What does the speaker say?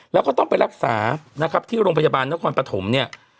แล้วก็ต้องไปรักษานะครับที่โรงพยาบาลนครปฐมเนี่ย